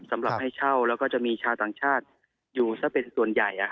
สำหรับให้เช่าแล้วก็จะมีชาวต่างชาติอยู่ซะเป็นส่วนใหญ่